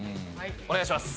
お願いします。